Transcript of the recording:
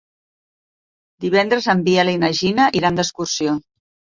Divendres en Biel i na Gina iran d'excursió.